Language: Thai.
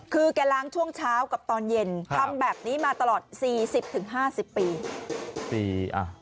คือแกล้างช่วงเช้ากับตอนเย็นทำแบบนี้มาตลอด๔๐๕๐ปี